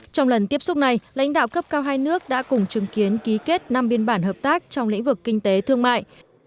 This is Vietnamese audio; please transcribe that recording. trong lần tiếp xúc này lãnh đạo cấp cao hai nước đã cùng chứng kiến ký kết năm biên bản hợp tác trong lĩnh vực kinh tế thương mại